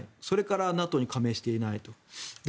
それからＮＡＴＯに加盟していないと。